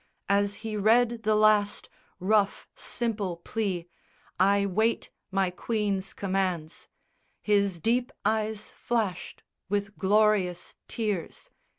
As he read the last Rough simple plea, I wait my Queen's commands, His deep eyes flashed with glorious tears.